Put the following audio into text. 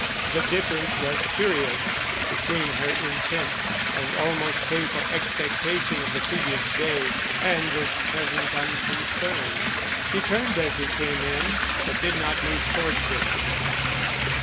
The difference was curious between her intense and almost painful expectation of the previous day and this present unconcern. She turned as he came in, but did not move towards him.